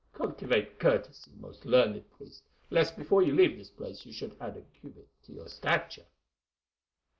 Cultivate courtesy, most learned priest, lest before you leave this place you should add a cubit to your stature."